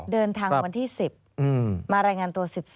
เดินทางวันที่๑๐มารายงานตัว๑๔